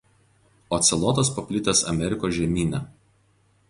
Ocelotas paplitęs Amerikos žemyne.